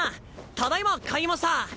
ただいま帰りました！